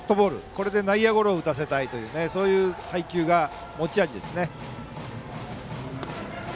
これで内野ゴロを打たせたいというそういう配球が持ち味ですね。